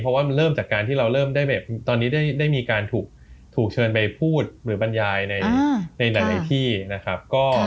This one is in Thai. เพราะว่ามันเริ่มจากการที่เราเริ่มได้แบบตอนนี้ได้มีการถูกเชิญไปพูดหรือบรรยายในหลายที่นะครับ